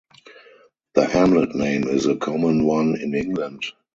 The hamlet name is a common one in England.